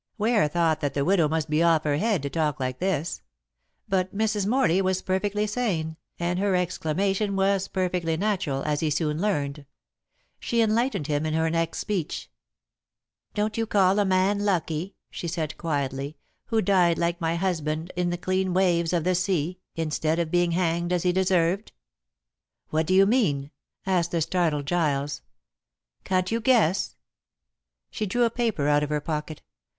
Ware thought that the widow must be off her head to talk like this; but Mrs. Morley was perfectly sane, and her exclamation was perfectly natural, as he soon learned. She enlightened him in her next speech. "Don't you call a man lucky," she said quietly, "who died like my husband in the clean waves of the sea, instead of being hanged as he deserved?" "What do you mean?" asked the startled Giles. "Can't you guess?" She drew a paper out of her pocket.